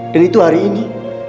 dan itu hari ini